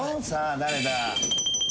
さあ誰だ。